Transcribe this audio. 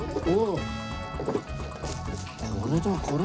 これだ、これ。